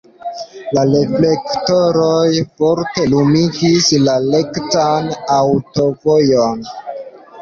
La reflektoroj forte lumigis la rektan aŭtovojon.